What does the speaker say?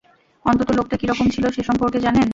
অন্তত লোকটা কীরকম ছিল সেসম্পর্কে জানেন?